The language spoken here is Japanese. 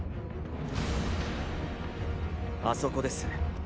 あそこです。